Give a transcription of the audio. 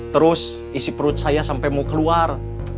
terus isi perut saya sampai mau keluar